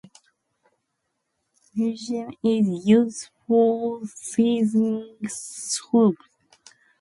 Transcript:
Marjoram is used for seasoning soups, stews, dressings, and sauces.